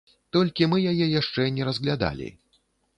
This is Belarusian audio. Толькі мы яе яшчэ не разглядалі.